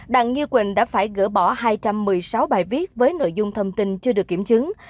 đặng như quỳnh đã phải gỡ bỏ hai trăm một mươi sáu bài viết với nội dung thông tin chưa được kiểm chứng